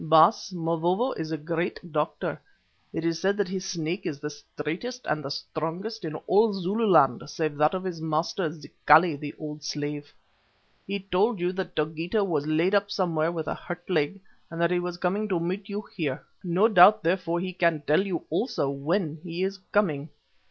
"Baas, Mavovo is a great doctor; it is said that his Snake is the straightest and the strongest in all Zululand save that of his master, Zikali, the old slave. He told you that Dogeetah was laid up somewhere with a hurt leg and that he was coming to meet you here; no doubt therefore he can tell you also when he is coming.